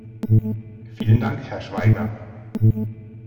Vielen Dank, Herr Schwaiger.